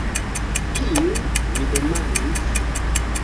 Kiu?“ mi demandis.